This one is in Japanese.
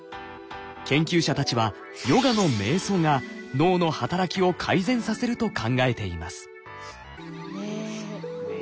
研究者たちはヨガの瞑想が脳の働きを改善させると考えています。